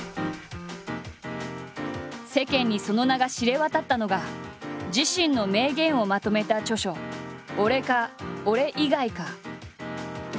世間にその名が知れ渡ったのが自身の名言をまとめた著書「俺か、俺以外か。」。